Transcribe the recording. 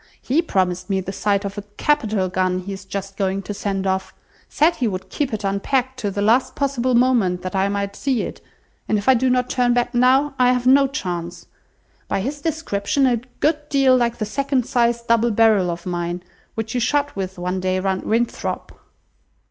He promised me the sight of a capital gun he is just going to send off; said he would keep it unpacked to the last possible moment, that I might see it; and if I do not turn back now, I have no chance. By his description, a good deal like the second size double barrel of mine, which you shot with one day round Winthrop."